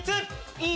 いい？